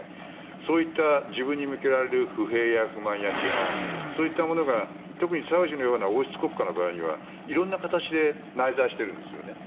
そういった自分に向けられる不平、不満などがサウジアラビアのような王室国家の場合は色んな形で内在しているんですよね。